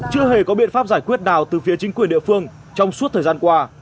chưa hề có biện pháp giải quyết nào từ phía chính quyền địa phương trong suốt thời gian qua